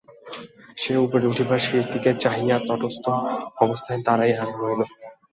সে উপরে উঠিবার সিঁড়ির দিকে চাহিয়াই তটস্থ অবস্থায় দাঁড়াইয়া রহিল!